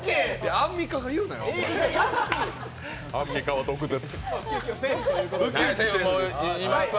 アンミカは毒舌。